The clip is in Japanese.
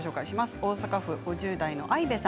大阪府５０代の方です。